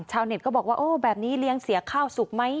เน็ตก็บอกว่าโอ้แบบนี้เลี้ยงเสียข้าวสุกไหม